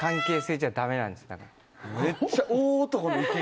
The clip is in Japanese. めっちゃ。